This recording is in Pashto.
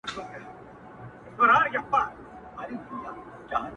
که رضا وي که په زور وي زې کوومه,